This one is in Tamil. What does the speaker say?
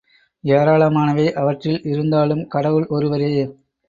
ஏராளமானவை அவற்றில் இருந்தாலும், கடவுள் ஒருவரே!